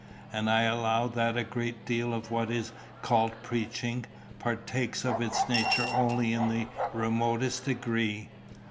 And I allow that a great deal of what is called preaching, partakes of its nature only in the remotest degree.